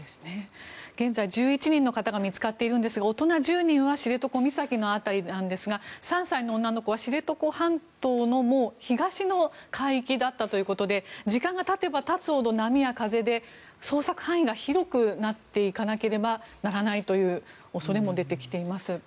現在、１１人の方が見つかっているんですが大人１０人は知床岬辺りなんですが３歳の女の子は、知床半島の東の海域だったということで時間がたてばたつほど波や風で捜索範囲が広くなっていかなければならないという恐れも出てきています。